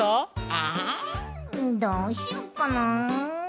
えどうしよっかなあ。